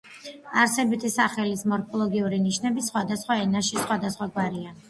არსებითი სახელის მორფოლოგიური ნიშნები სხვადასხვა ენაში სხვადასხვაგვარია.